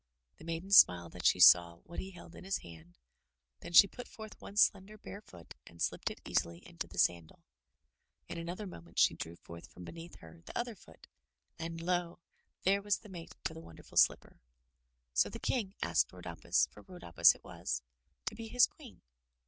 The maiden smiled as she saw what he held in his hand, then she put forth one slender bare foot and slipped it easily into the sandal. In another moment she drew from beneath her the other foot, and lo! there was the mate to the wonderful slipper. 266 i THROUGH FAIRY HALLS So the King asked Rhodopis — for Rhodopis it was — to be his Queen.